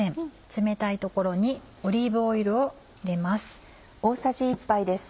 冷たいところにオリーブオイルを入れます。